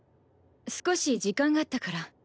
少し時間があったから。